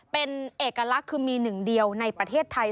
เป็นเอกลักษณ์คือมีหนึ่งเดียวในประเทศไทย